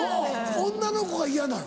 女の子が嫌なの？